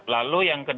lalu yang kedua